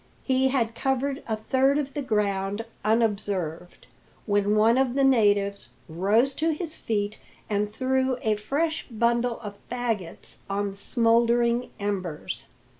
He had covered a third of the ground unobserved, when one of the natives rose to his feet and threw a fresh bundle of faggots on the smouldering embers.